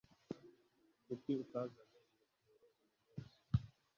Kuki utazanye ingofero uyumunsi?